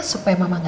supaya mama ngerti